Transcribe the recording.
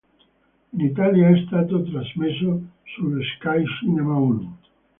In Italia è stato trasmesso su Sky Cinema Uno.